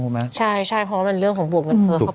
ใช่ใช่เพราะว่ามันเรื่องของบวกเงินเฟ้อเขา